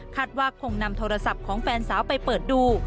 ว่าคงนำโทรศัพท์ของแฟนสาวไปเปิดดู